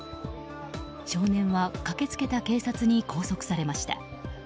少年は、駆け付けた警察に拘束されました。